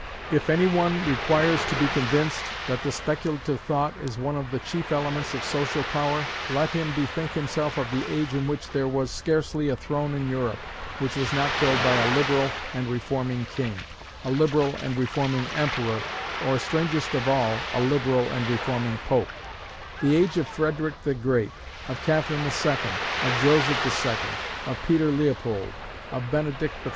If any one requires to be convinced that speculative thought is one of the chief elements of social power, let him bethink himself of the age in which there was scarcely a throne in Europe which was not filled by a liberal and reforming king, a liberal and reforming emperor, or, strangest of all, a liberal and reforming pope; the age of Frederic the Great, of Catherine the Second, of Joseph the Second, of Peter Leopold, of Benedict XIV.